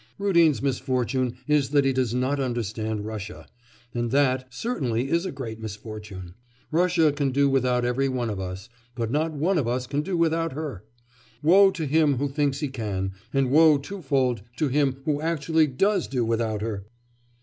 Rudin's misfortune is that he does not understand Russia, and that, certainly, is a great misfortune. Russia can do without every one of us, but not one of us can do without her. Woe to him who thinks he can, and woe twofold to him who actually does do without her!